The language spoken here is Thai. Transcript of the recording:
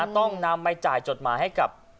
ต้องนำไปจ่ายจดหมายให้กับ